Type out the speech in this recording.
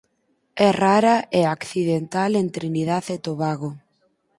É rara e accidental en Trinidad e Tobago.